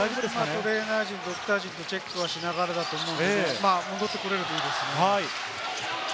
トレーナー陣、ドクター陣とチェックしながらだと思うんで、戻ってこれるといいですね。